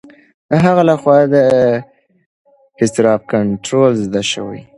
د هغه لخوا د اضطراب کنټرول زده شوی دی.